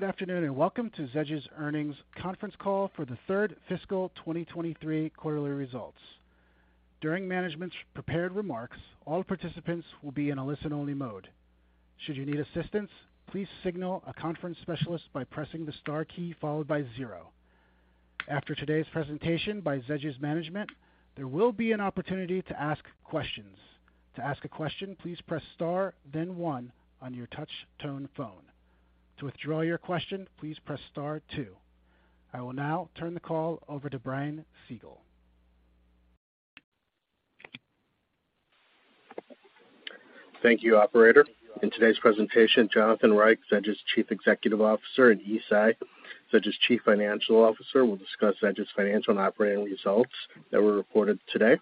Good afternoon, welcome to Zedge's Earnings Conference Call for the third fiscal 2023 quarterly results. During management's prepared remarks, all participants will be in a listen-only mode. Should you need assistance, please signal a conference specialist by pressing the star key followed by zero. After today's presentation by Zedge's management, there will be an opportunity to ask questions. To ask a question, please press star, then one on your touch tone phone. To withdraw your question, please press star two. I will now turn the call over to Brian Siegel. Thank you, operator. In today's presentation, Jonathan Reich, Zedge's Chief Executive Officer, and Yi Tsai, Zedge's Chief Financial Officer, will discuss Zedge's financial and operating results that were reported today.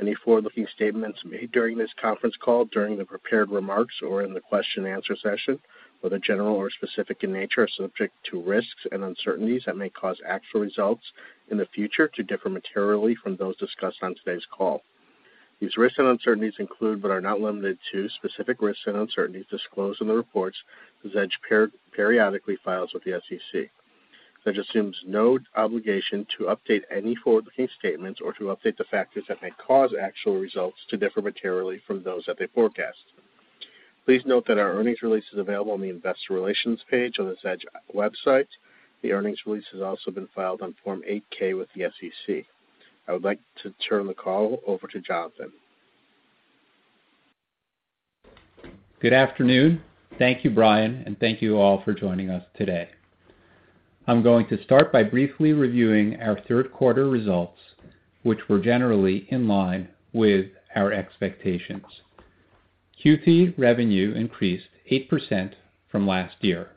Any forward-looking statements made during this conference call, during the prepared remarks or in the question answer session, whether general or specific in nature, are subject to risks and uncertainties that may cause actual results in the future to differ materially from those discussed on today's call. These risks and uncertainties include, but are not limited to, specific risks and uncertainties disclosed in the reports Zedge periodically files with the SEC. Zedge assumes no obligation to update any forward-looking statements or to update the factors that may cause actual results to differ materially from those that they forecast. Please note that our earnings release is available on the Investor Relations page on the Zedge website. The earnings release has also been filed on Form 8-K with the SEC. I would like to turn the call over to Jonathan. Good afternoon. Thank you, Brian. Thank you all for joining us today. I'm going to start by briefly reviewing our third quarter results, which were generally in line with our expectations. Q3 revenue increased 8% from last year.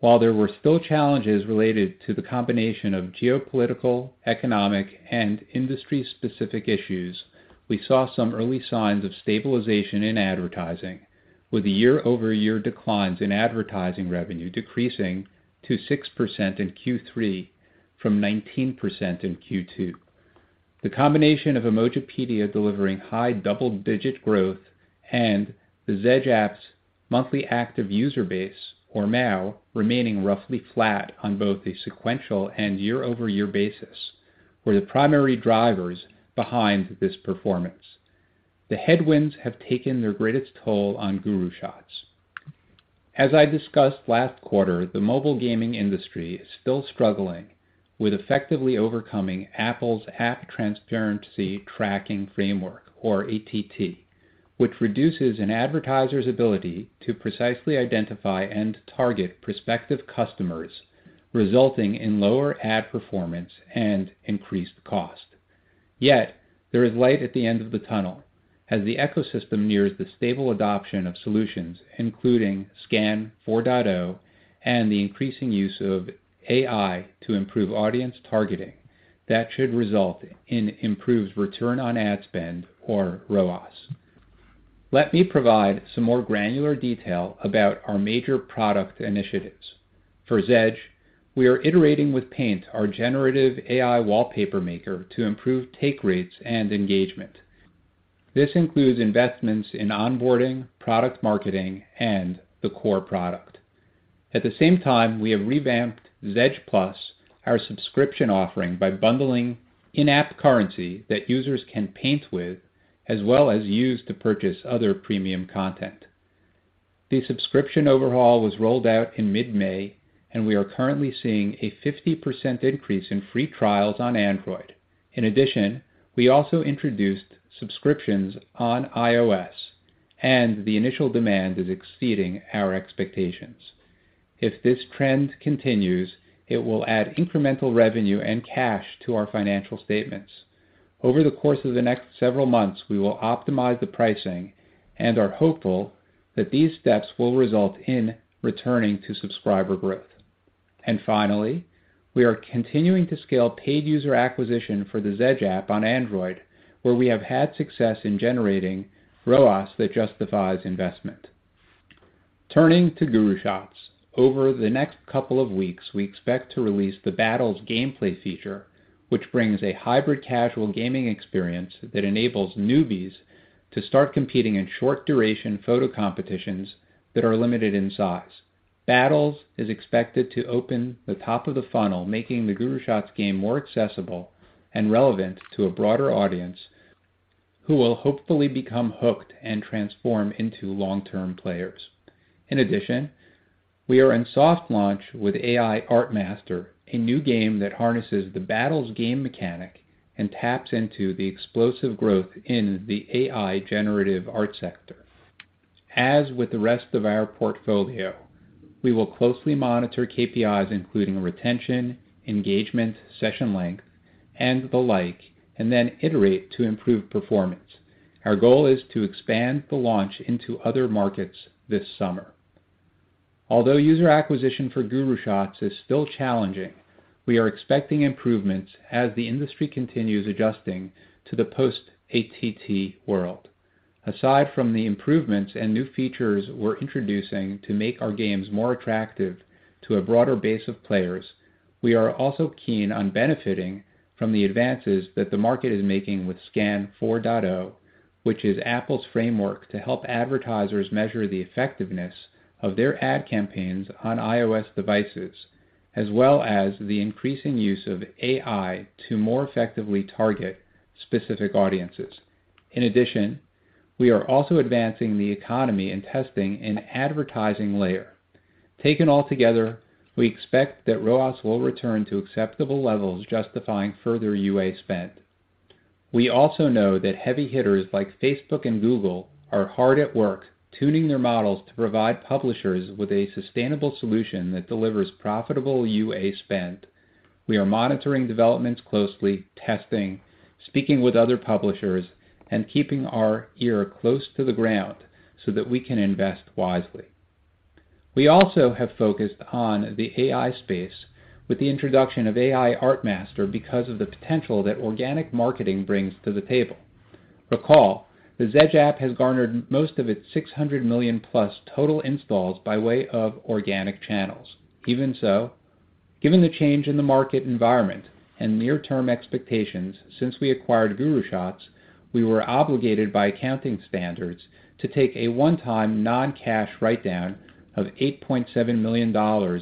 While there were still challenges related to the combination of geopolitical, economic, and industry-specific issues, we saw some early signs of stabilization in advertising, with the year-over-year declines in advertising revenue decreasing to 6% in Q3 from 19% in Q2. The combination of Emojipedia delivering high double-digit growth and the Zedge apps monthly active user base, or MAU, remaining roughly flat on both a sequential and year-over-year basis, were the primary drivers behind this performance. The headwinds have taken their greatest toll on GuruShots. As I discussed last quarter, the mobile gaming industry is still struggling with effectively overcoming Apple's App Tracking Transparency framework, or ATT, which reduces an advertiser's ability to precisely identify and target prospective customers, resulting in lower ad performance and increased cost. There is light at the end of the tunnel as the ecosystem nears the stable adoption of solutions including SKAN 4.0 and the increasing use of AI to improve audience targeting, that should result in improved return on ad spend, or ROAS. Let me provide some more granular detail about our major product initiatives. For Zedge, we are iterating with pAInt, our generative AI wallpaper maker, to improve take rates and engagement. This includes investments in onboarding, product marketing, and the core product. At the same time, we have revamped Zedge+, our subscription offering, by bundling in-app currency that users can paint with, as well as use to purchase other premium content. The subscription overhaul was rolled out in mid-May, we are currently seeing a 50% increase in free trials on Android. In addition, we also introduced subscriptions on iOS, the initial demand is exceeding our expectations. If this trend continues, it will add incremental revenue and cash to our financial statements. Over the course of the next several months, we will optimize the pricing and are hopeful that these steps will result in returning to subscriber growth. Finally, we are continuing to scale paid user acquisition for the Zedge app on Android, where we have had success in generating ROAS that justifies investment. Turning to GuruShots, over the next couple of weeks, we expect to release the Battles gameplay feature, which brings a hybrid casual gaming experience that enables newbies to start competing in short-duration photo competitions that are limited in size. Battles is expected to open the top of the funnel, making the GuruShots game more accessible and relevant to a broader audience, who will hopefully become hooked and transform into long-term players. In addition, we are in soft launch with AI Art Master, a new game that harnesses the Battles game mechanic and taps into the explosive growth in the AI generative art sector. As with the rest of our portfolio, we will closely monitor KPIs, including retention, engagement, session length, and the like, and then iterate to improve performance. Our goal is to expand the launch into other markets this summer. Although user acquisition for GuruShots is still challenging, we are expecting improvements as the industry continues adjusting to the post-ATT world. Aside from the improvements and new features we're introducing to make our games more attractive to a broader base of players, we are also keen on benefiting from the advances that the market is making with SKAN 4.0, which is Apple's framework to help advertisers measure the effectiveness of their ad campaigns on iOS devices, as well as the increasing use of AI to more effectively target specific audiences. We are also advancing the economy and testing an advertising layer. Taken altogether, we expect that ROAS will return to acceptable levels, justifying further UA spend. We also know that heavy hitters like Facebook and Google are hard at work tuning their models to provide publishers with a sustainable solution that delivers profitable UA spend. We are monitoring developments closely, testing, speaking with other publishers, and keeping our ear close to the ground so that we can invest wisely. We also have focused on the AI space with the introduction of AI Art Master, because of the potential that organic marketing brings to the table. Recall, the Zedge app has garnered most of its 600 million+ total installs by way of organic channels. Even so, given the change in the market environment and near-term expectations since we acquired GuruShots, we were obligated by accounting standards to take a one-time, non-cash write-down of $8.7 million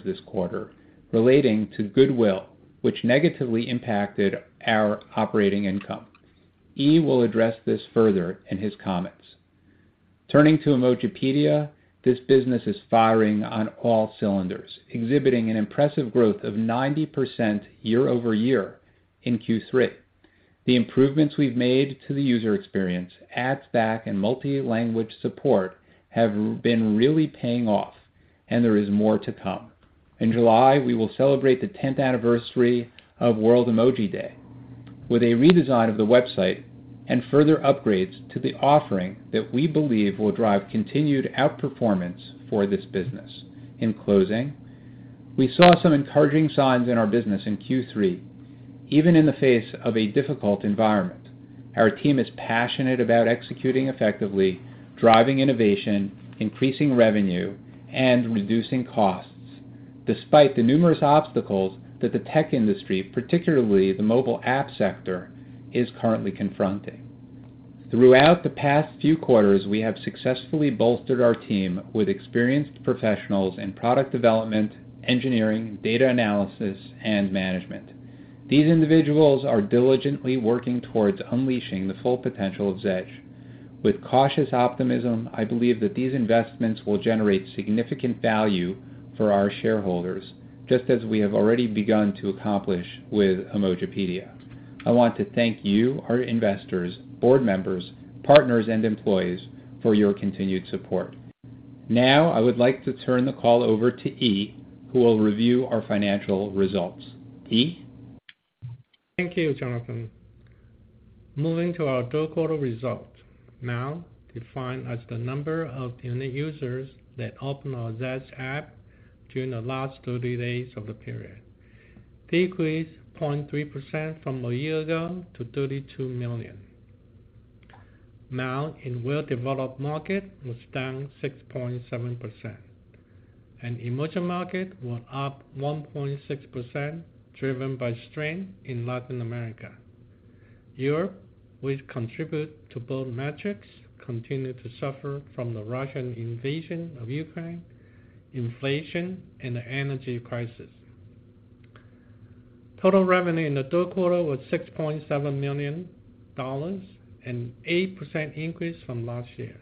this quarter relating to goodwill, which negatively impacted our operating income. Yi will address this further in his comments. Turning to Emojipedia, this business is firing on all cylinders, exhibiting an impressive growth of 90% year-over-year in Q3. The improvements we've made to the user experience, ads back, and multi-language support have been really paying off, and there is more to come. In July, we will celebrate the tenth anniversary of World Emoji Day with a redesign of the website and further upgrades to the offering that we believe will drive continued outperformance for this business. In closing, we saw some encouraging signs in our business in Q3, even in the face of a difficult environment. Our team is passionate about executing effectively, driving innovation, increasing revenue, and reducing costs, despite the numerous obstacles that the tech industry, particularly the mobile app sector, is currently confronting. Throughout the past few quarters, we have successfully bolstered our team with experienced professionals in product development, engineering, data analysis, and management. These individuals are diligently working towards unleashing the full potential of Zedge. With cautious optimism, I believe that these investments will generate significant value for our shareholders, just as we have already begun to accomplish with Emojipedia. I want to thank you, our investors, board members, partners, and employees for your continued support. Now, I would like to turn the call over to Yi, who will review our financial results. Yi? Thank you, Jonathan. Moving to our third quarter results. Defined as the number of unique users that open our Zedge app during the last 30 days of the period, decreased 0.3% from a year ago to 32 million. In well-developed market, was down 6.7%, and emerging market were up 1.6%, driven by strength in Latin America. Europe, which contribute to both metrics, continued to suffer from the Russian invasion of Ukraine, inflation, and the energy crisis. Total revenue in the third quarter was $6.7 million, an 8% increase from last year.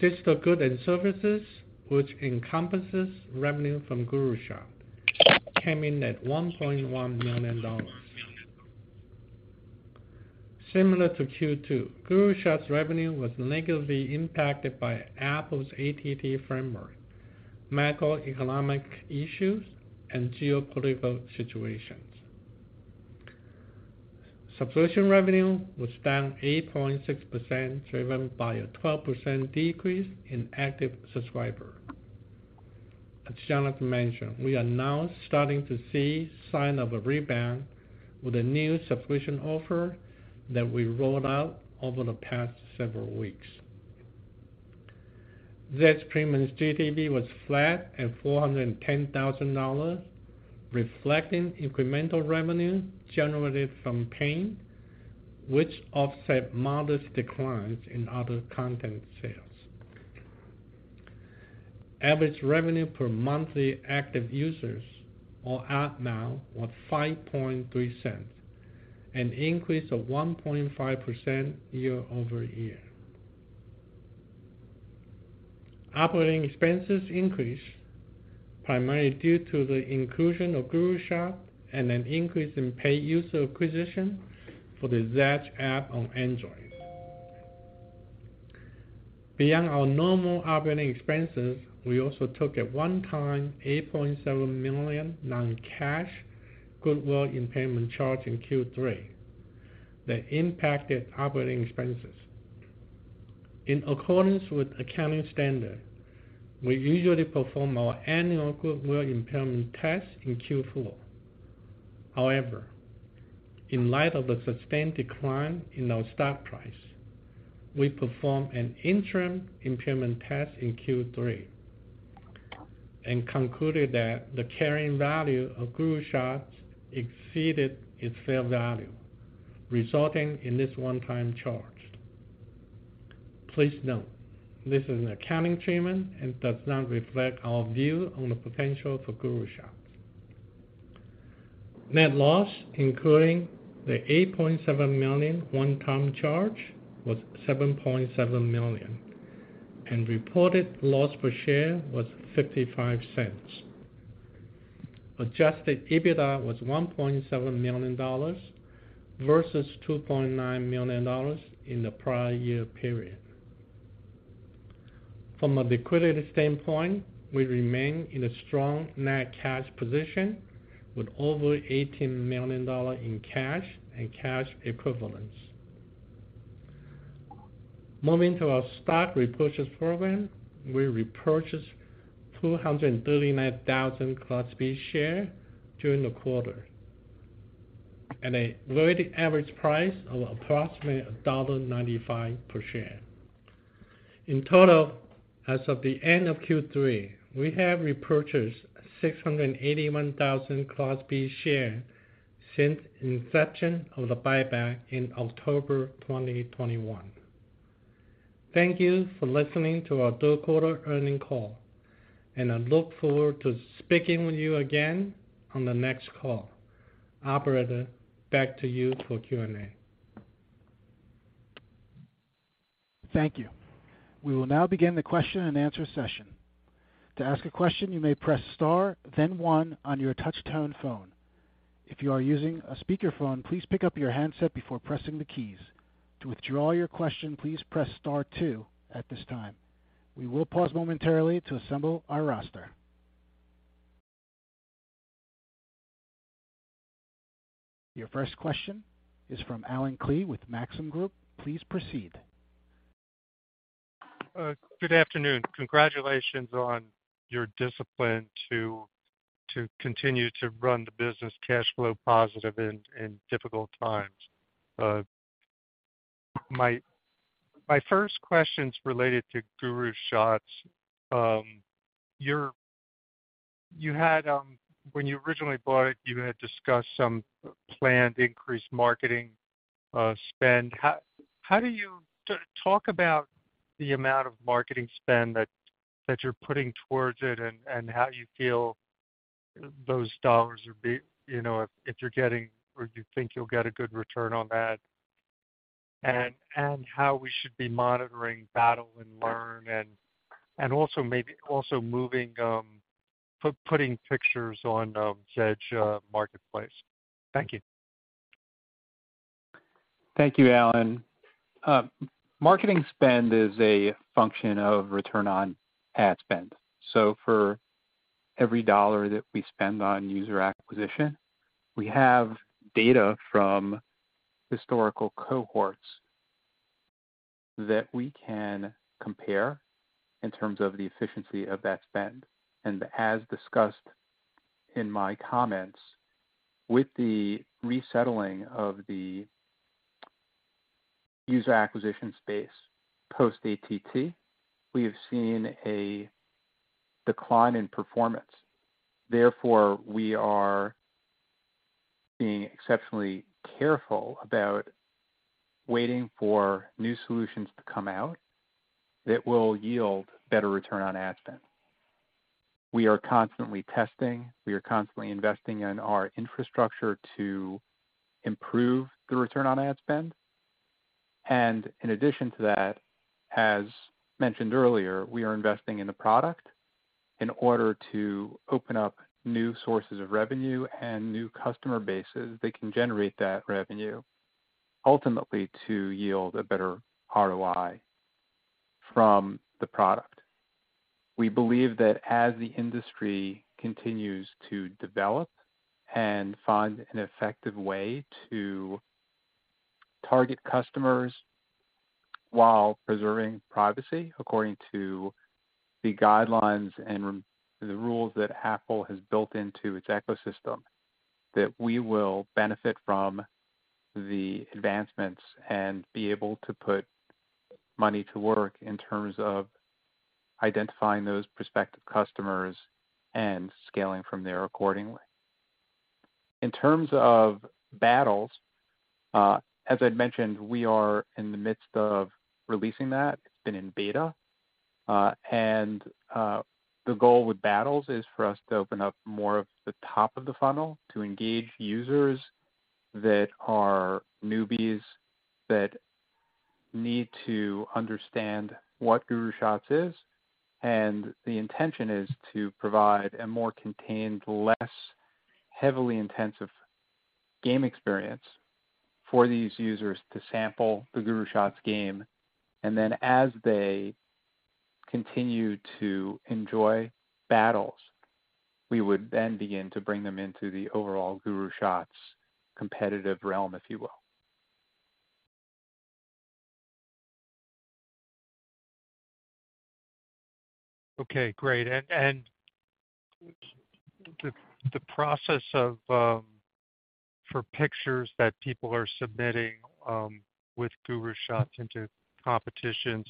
Digital goods and services, which encompasses revenue from GuruShots, came in at $1.1 million. Similar to Q2, GuruShots' revenue was negatively impacted by Apple's ATT framework, macroeconomic issues, and geopolitical situations. Subscription revenue was down 8.6%, driven by a 12% decrease in active subscriber. As Jonathan mentioned, we are now starting to see sign of a rebound with a new subscription offer that we rolled out over the past several weeks. Zedge Premium's GTV was flat at $410,000, reflecting incremental revenue generated from paying, which offset modest declines in other content sales. Average revenue per monthly active users, or ARPMAU, was $0.053, an increase of 1.5% year-over-year. Operating expenses increased primarily due to the inclusion of GuruShots and an increase in paid user acquisition for the Zedge app on Android. Beyond our normal operating expenses, we also took a one-time, $8.7 million non-cash goodwill impairment charge in Q3 that impacted operating expenses. In accordance with accounting standard, we usually perform our annual goodwill impairment test in Q4. In light of the sustained decline in our stock price, we performed an interim impairment test in Q3. We concluded that the carrying value of GuruShots exceeded its fair value, resulting in this one-time charge. Please note, this is an accounting treatment and does not reflect our view on the potential for GuruShots. Net loss, including the $8.7 million one-time charge, was $7.7 million, and reported loss per share was $0.55. Adjusted EBITDA was $1.7 million versus $2.9 million in the prior year period. From a liquidity standpoint, we remain in a strong net cash position with over $18 million in cash and cash equivalents. Moving to our stock repurchase program, we repurchased 239,000 Class B shares during the quarter at a weighted average price of approximately $1.95 per share. As of the end of Q3, we have repurchased 681,000 Class B shares since inception of the buyback in October 2021. Thank you for listening to our third quarter earnings call, I look forward to speaking with you again on the next call. Operator, back to you for Q&A. Thank you. We will now begin the question-and-answer session. To ask a question, you may press star then one on your touchtone phone. If you are using a speakerphone, please pick up your handset before pressing the keys. To withdraw your question, please press star two at this time. We will pause momentarily to assemble our roster. Your first question is from Allen Klee with Maxim Group. Please proceed. Good afternoon. Congratulations on your discipline to continue to run the business cash flow positive in difficult times. My first question is related to GuruShots. When you originally bought it, you had discussed some planned increased marketing spend. How do you talk about the amount of marketing spend that you're putting towards it, and how you feel those dollars are, you know, if you're getting or you think you'll get a good return on that, and how we should be monitoring Battle and Learn, and also maybe also moving putting pictures on Zedge marketplace. Thank you. Thank you, Allen. Marketing spend is a function of return on ad spend. For every $1 that we spend on user acquisition, we have data from historical cohorts that we can compare in terms of the efficiency of that spend. As discussed in my comments, with the resettling of the user acquisition space post-ATT, we have seen a decline in performance. Therefore, we are being exceptionally careful about waiting for new solutions to come out that will yield better return on ad spend. We are constantly testing. We are constantly investing in our infrastructure to improve the return on ad spend. In addition to that, as mentioned earlier, we are investing in the product in order to open up new sources of revenue and new customer bases that can generate that revenue, ultimately to yield a better ROI from the product. We believe that as the industry continues to develop and find an effective way to target customers while preserving privacy according to the guidelines and the rules that Apple has built into its ecosystem, that we will benefit from the advancements and be able to put money to work in terms of identifying those prospective customers and scaling from there accordingly. In terms of Battles, as I'd mentioned, we are in the midst of releasing that. It's been in beta. And the goal with Battles is for us to open up more of the top of the funnel to engage users that are newbies, that need to understand what GuruShots is. The intention is to provide a more contained, less heavily intensive game experience for these users to sample the GuruShots game. As they continue to enjoy Battles, we would then begin to bring them into the overall GuruShots competitive realm, if you will. Okay, great. The process of for pictures that people are submitting with GuruShots into competitions,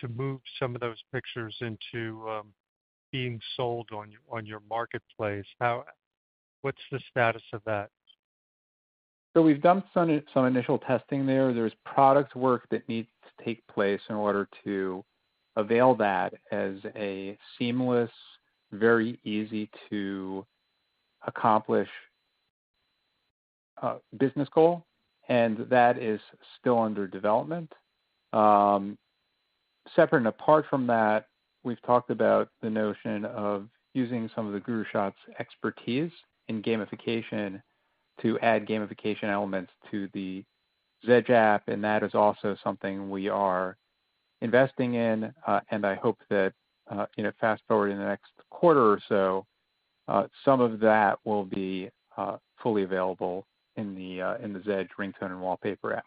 to move some of those pictures into being sold on your marketplace, what's the status of that? We've done some initial testing there. There's product work that needs to take place in order to avail that as a seamless, very easy to accomplish, business goal, and that is still under development. Separate and apart from that, we've talked about the notion of using some of the GuruShots expertise in gamification to add gamification elements to the Zedge app, and that is also something we are investing in. I hope that, you know, fast-forward in the next quarter or so, some of that will be fully available in the Zedge ringtone and wallpaper app.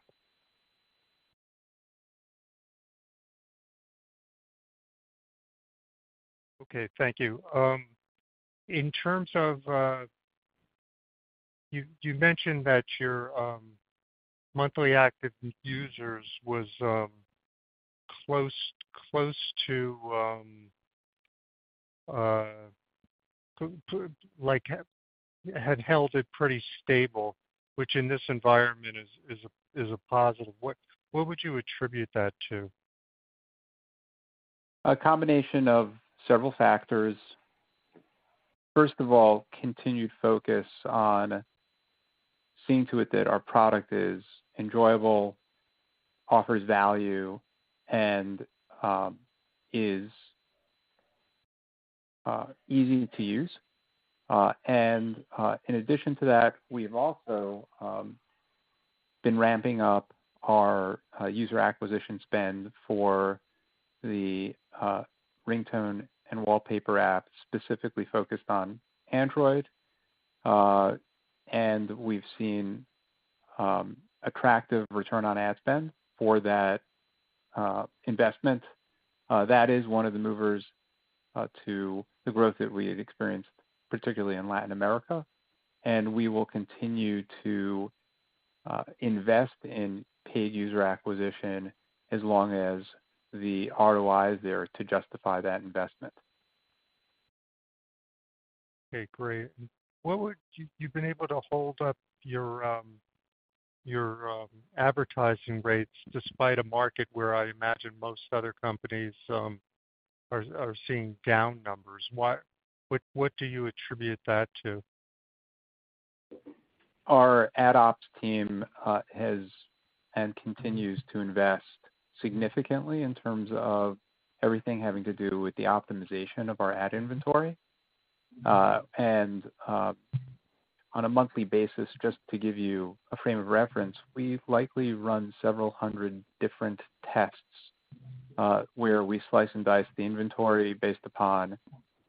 Okay, thank you. In terms of, you mentioned that your monthly active users was close to like, had held it pretty stable, which in this environment is a positive. What would you attribute that to? A combination of several factors. First of all, continued focus on seeing to it that our product is enjoyable, offers value, and is easy to use. In addition to that, we've also been ramping up our user acquisition spend for the ringtone and wallpaper app, specifically focused on Android. We've seen attractive return on ad spend for that investment. That is one of the movers to the growth that we had experienced, particularly in Latin America, and we will continue to invest in paid user acquisition as long as the ROI is there to justify that investment. Okay, great. You've been able to hold up your advertising rates despite a market where I imagine most other companies are seeing down numbers. What do you attribute that to? Our ad ops team, has and continues to invest significantly in terms of everything having to do with the optimization of our ad inventory. On a monthly basis, just to give you a frame of reference, we've likely run several hundred different tests, where we slice and dice the inventory based upon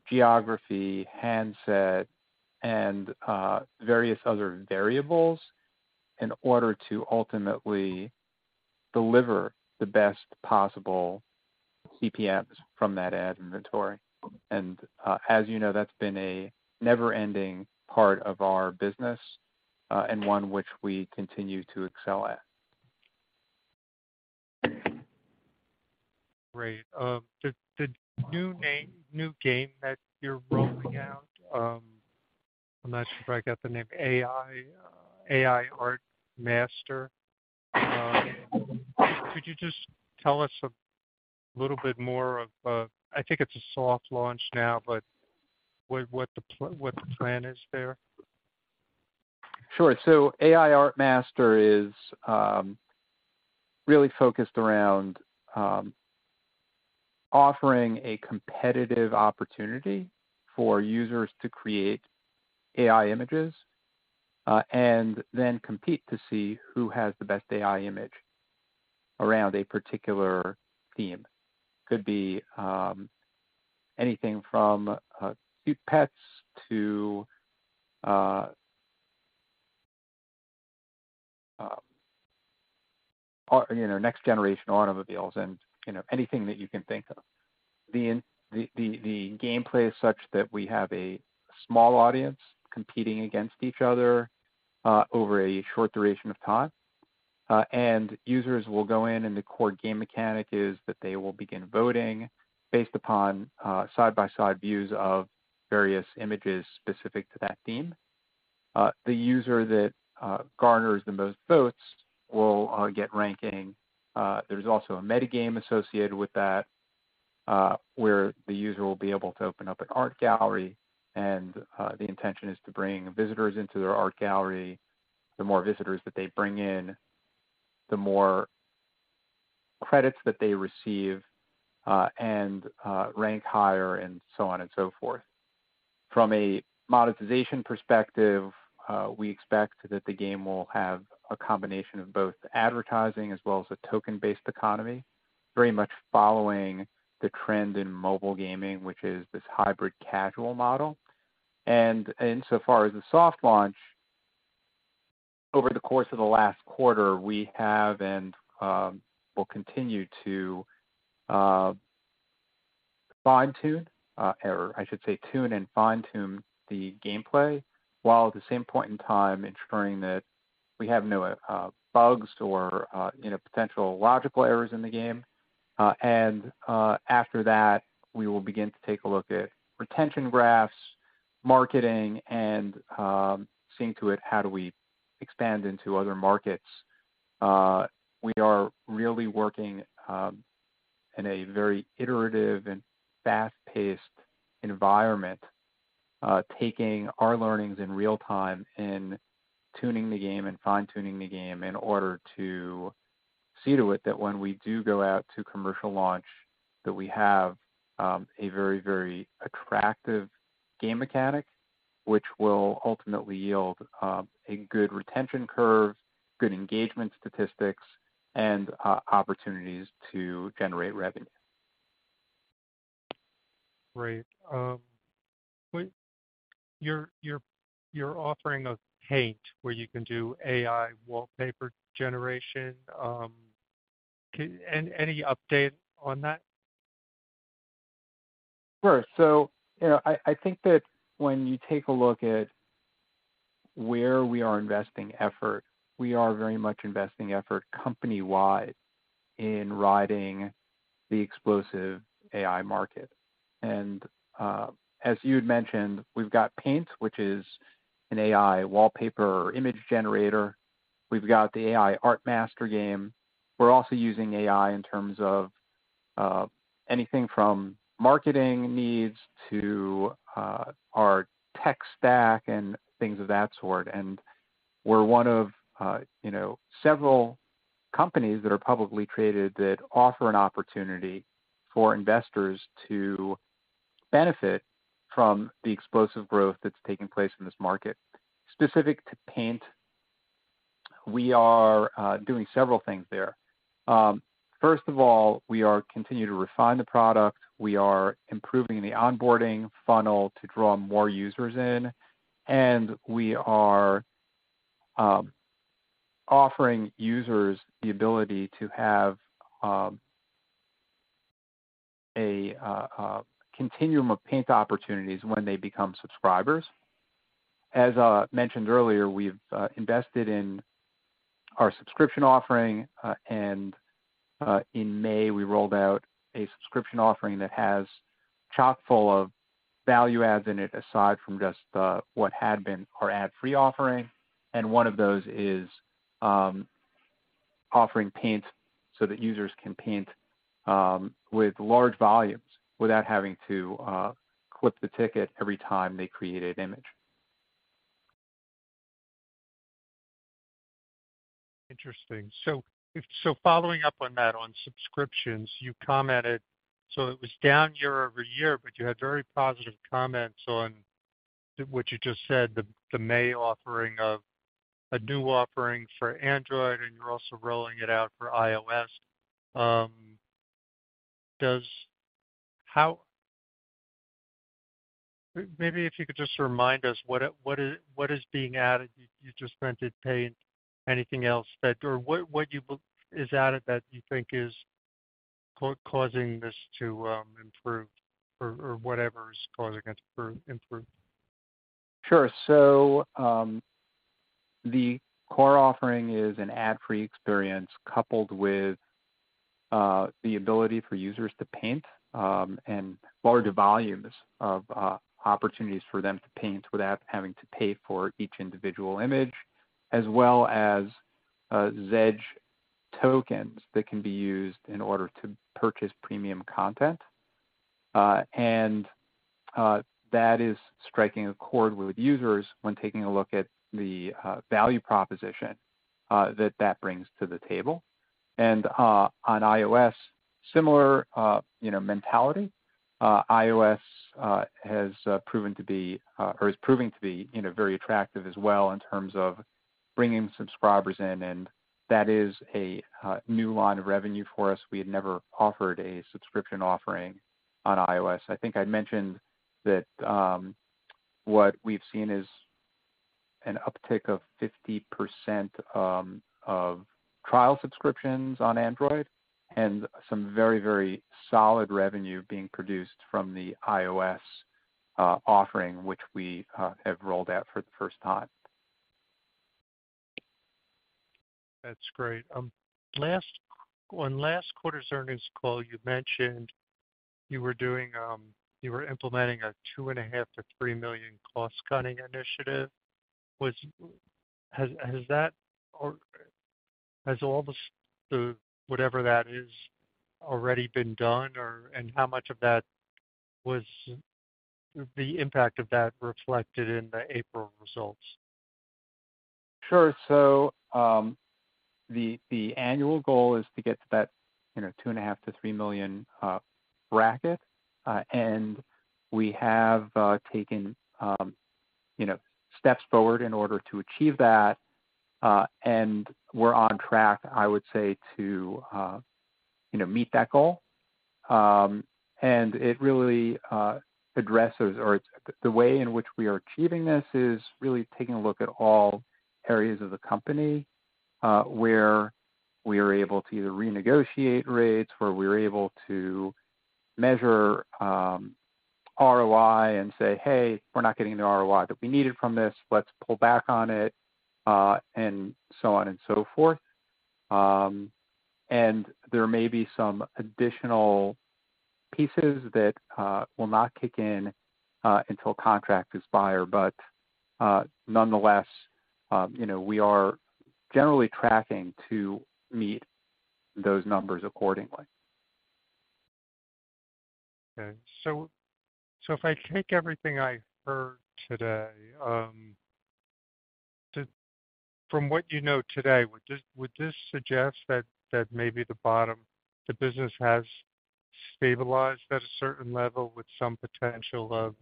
geography, handset, and, various other variables in order to ultimately deliver the best possible CPMs from that ad inventory. As you know, that's been a never-ending part of our business, and one which we continue to excel at. Great. The new name, new game that you're rolling out, I'm not sure if I got the name, AI Art Master. Could you just tell us a little bit more of? I think it's a soft launch now, but what the plan is there? Sure. AI Art Master is really focused around offering a competitive opportunity for users to create AI images and then compete to see who has the best AI image around a particular theme. Could be anything from cute pets to, you know, next generation automobiles and, you know, anything that you can think of. The gameplay is such that we have a small audience competing against each other over a short duration of time. Users will go in, and the core game mechanic is that they will begin voting based upon side-by-side views of various images specific to that theme. The user that garners the most votes will get ranking. There's also a meta game associated with that, where the user will be able to open up an art gallery, and the intention is to bring visitors into their art gallery. The more visitors that they bring in, the more Credits that they receive, and rank higher, and so on and so forth. From a monetization perspective, we expect that the game will have a combination of both advertising as well as a token-based economy, very much following the trend in mobile gaming, which is this hybrid casual model. Insofar as the soft launch, over the course of the last quarter, we have and will continue to... fine-tune, or I should say, tune and fine-tune the gameplay, while at the same point in time ensuring that we have no bugs or, you know, potential logical errors in the game. After that, we will begin to take a look at retention graphs, marketing, and seeing to it, how do we expand into other markets. We are really working in a very iterative and fast-paced environment, taking our learnings in real time and tuning the game and fine-tuning the game in order to see to it that when we do go out to commercial launch, that we have a very, very attractive game mechanic, which will ultimately yield a good retention curve, good engagement statistics, and opportunities to generate revenue. Great. You're offering a pAInt where you can do AI wallpaper generation. Any update on that? Sure. You know, I think that when you take a look at where we are investing effort, we are very much investing effort company-wide in riding the explosive AI market. As you had mentioned, we've got pAInt, which is an AI wallpaper or image generator. We've got the AI Art Master game. We're also using AI in terms of anything from marketing needs to our tech stack and things of that sort. We're one of, you know, several companies that are publicly created that offer an opportunity for investors to benefit from the explosive growth that's taking place in this market. Specific to pAInt, we are doing several things there. First of all, we are continuing to refine the product. We are improving the onboarding funnel to draw more users in, and we are offering users the ability to have a continuum of paint opportunities when they become subscribers. As mentioned earlier, we've invested in our subscription offering, and in May, we rolled out a subscription offering that has chock-full of value adds in it, aside from just what had been our ad-free offering, and one of those is offering pAInt so that users can paint with large volumes without having to clip the ticket every time they create an image. Interesting. Following up on that, on subscriptions, you commented. It was down year-over-year, but you had very positive comments on what you just said, the May offering of a new offering for Android, and you're also rolling it out for iOS. Does maybe if you could just remind us, what is being added? You just mentioned paying anything else that, or what is added that you think is causing this to improve, or whatever is causing it to improve? Sure. The core offering is an ad-free experience, coupled with the ability for users to paint, and larger volumes of opportunities for them to paint without having to pay for each individual image, as well as Zedge Credits that can be used in order to purchase premium content. That is striking a chord with users when taking a look at the value proposition that that brings to the table. On iOS, similar, you know, mentality, iOS has proven to be, or is proving to be, you know, very attractive as well in terms of bringing subscribers in, and that is a new line of revenue for us. We had never offered a subscription offering on iOS. I think I'd mentioned that, what we've seen is an uptick of 50% of trial subscriptions on Android, and some very, very solid revenue being produced from the iOS offering, which we have rolled out for the first time. That's great. On last quarter's earnings call, you mentioned you were doing, you were implementing a $2.5 million-$3 million cost-cutting initiative. Has that or has all the whatever that is already been done? How much of that was The impact of that reflected in the April results? Sure. The annual goal is to get to that, you know, $2.5 million-$3 million bracket. We have taken, you know, steps forward in order to achieve that. We're on track, I would say, to, you know, meet that goal. It really addresses or the way in which we are achieving this is really taking a look at all areas of the company, we are able to either renegotiate rates, where we are able to measure ROI and say, "Hey, we're not getting the ROI that we needed from this. Let's pull back on it," and so on and so forth. There may be some additional pieces that will not kick in until contract expires. Nonetheless, you know, we are generally tracking to meet those numbers accordingly. Okay. if I take everything I heard today, from what you know today, would this suggest that maybe the business has stabilized at a certain level with some potential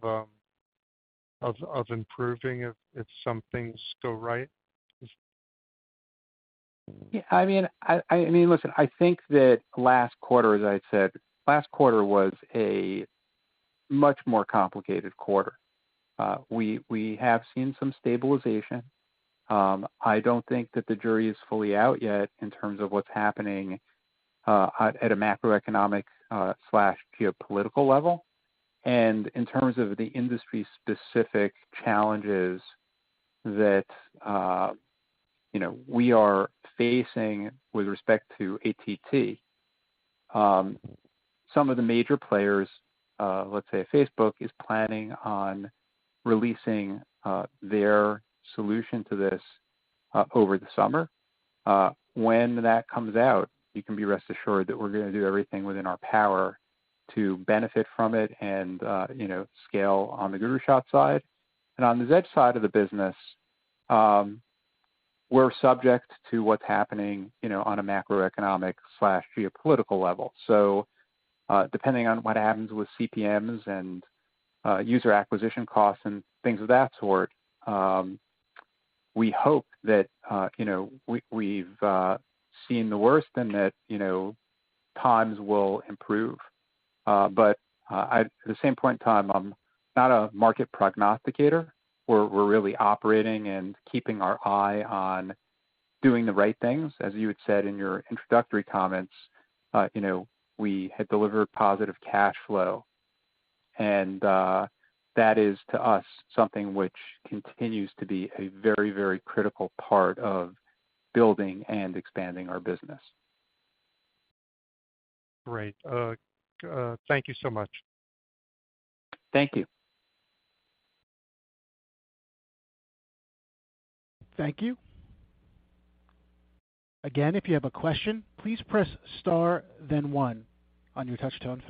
of improving if some things go right? I mean, listen, I think that last quarter, as I said, last quarter was a much more complicated quarter. We have seen some stabilization. I don't think that the jury is fully out yet in terms of what's happening at a macroeconomic slash geopolitical level. In terms of the industry specific challenges that, you know, we are facing with respect to ATT. Some of the major players, let's say Facebook, is planning on releasing their solution to this over the summer. When that comes out, you can be rest assured that we're gonna do everything within our power to benefit from it and, you know, scale on the GuruShots side. On the Zedge side of the business, we're subject to what's happening, you know, on a macroeconomic slash geopolitical level. Depending on what happens with CPMs and user acquisition costs and things of that sort, we hope that, you know, we've seen the worst and that, you know, times will improve. I, at the same point in time, I'm not a market prognosticator. We're really operating and keeping our eye on doing the right things. As you had said in your introductory comments, you know, we had delivered positive cash flow, and that is, to us, something which continues to be a very, very critical part of building and expanding our business. Great. Thank you so much. Thank you. Thank you. Again, if you have a question, please press Star then one on your touchtone phone.